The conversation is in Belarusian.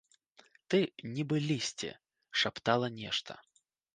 Ты, нібы лісце, шаптала нешта.